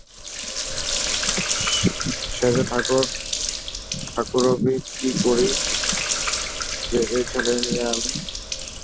সেজ ঠাকুরবি-কি করি যে এ ছেলে নিয়ে আমি!